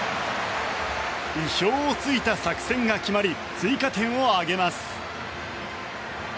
意表を突いた作戦が決まり追加点を挙げます。